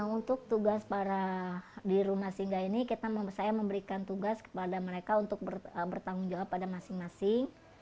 untuk tugas para di rumah singgah ini saya memberikan tugas kepada mereka untuk bertanggung jawab pada masing masing